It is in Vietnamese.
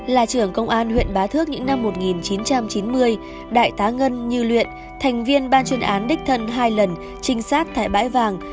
là trưởng công an huyện bá thước những năm một nghìn chín trăm chín mươi đại tá ngân như luyện thành viên ban chuyên án đích thân hai lần trinh sát tại bãi vàng